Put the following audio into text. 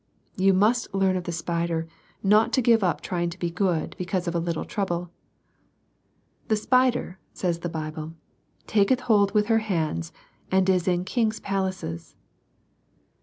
You must learn of the spider not to give up trying to be good because of a little trouble. " The spider," says the Bible, " taketh hold with her hands, and is in king's palaces."